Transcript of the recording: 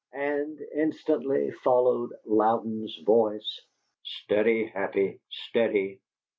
And, instantly, followed Louden's voice: "STEADY, HAPPY, STEADY!"